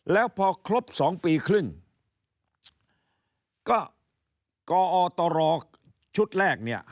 แล้วพอครบสองปีครึ่งก็กอตรชุดแรกเนี่ย